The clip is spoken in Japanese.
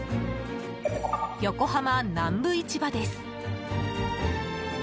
横浜南部市場です。